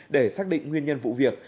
để xác định nguyên nhân vụ việc